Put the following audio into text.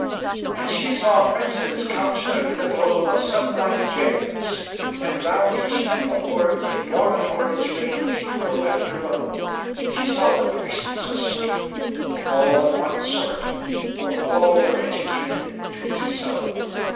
LXIV And she saw princes couched under the glow Of sun like gems; and round each tem ple court In dormitories ranged, row after row. She saw the priests asleep, all of one sort. For all were educated to be so.